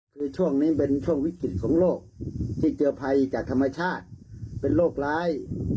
คือช่วงนี้เป็นช่วงวิกฤตของโรคที่เจอภัยจากธรรมชาติเป็นโรคร้าย